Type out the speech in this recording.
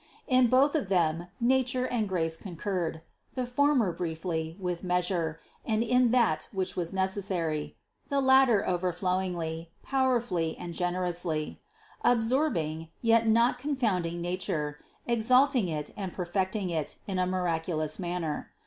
In both of them nature and grace concurred; the former briefly, with measure, and in that which was necessary; the latter overflowingly, powerfully and generously; absorbing, yet not con founding nature, exalting it and perfecting it in a mirac ulous manner.